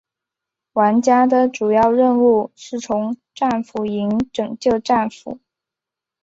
玩家的主要任务是从战俘营拯救战俘。